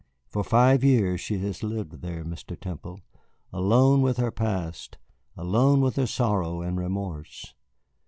For five years she has lived there, Mr. Temple, alone with her past, alone with her sorrow and remorse.